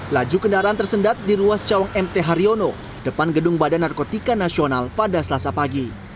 laju kendaraan tersendat di ruas cawang mt haryono depan gedung badan narkotika nasional pada selasa pagi